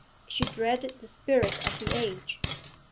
She dreaded the 'spirit of the age.'